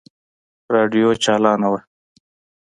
راډيو چالانه وه.